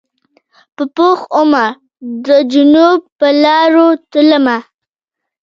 په پوخ عمر د جنون پرلاروتلمه